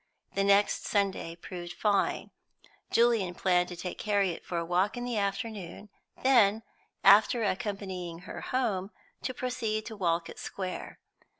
The next Sunday proved fine; Julian planned to take Harriet for a walk in the afternoon, then, after accompanying her home, to proceed to Walcot Square.